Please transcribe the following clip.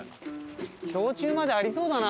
氷柱までありそうだな。